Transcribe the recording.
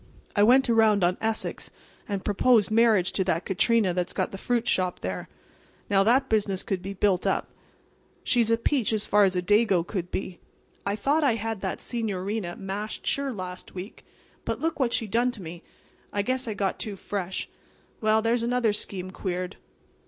I went around on Essex and proposed marriage to that Catrina that's got the fruit shop there. Now, that business could be built up. She's a peach as far as a Dago could be. I thought I had that senoreena mashed sure last week. But look what she done to me! I guess I got too fresh. Well there's another scheme queered."